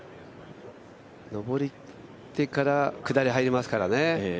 上ってから下り入りますからね。